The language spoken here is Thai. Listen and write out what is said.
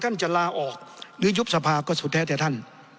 จะลาออกหรือยุบสภาก็สุดแท้แต่ท่าน